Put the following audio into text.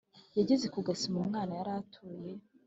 yageze kugasima umwana yaratuye